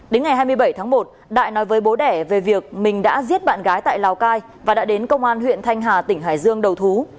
đến ngày hai mươi bảy tháng một đại nói với bố đẻ về việc mình đã giết bạn gái tại lào cai và đã đến công an huyện thanh hà tỉnh hải dương đầu thú